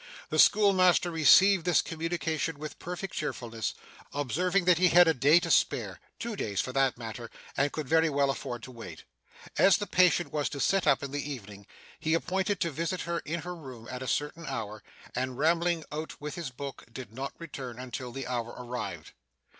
The schoolmaster received this communication with perfect cheerfulness, observing that he had a day to spare two days for that matter and could very well afford to wait. As the patient was to sit up in the evening, he appointed to visit her in her room at a certain hour, and rambling out with his book, did not return until the hour arrived.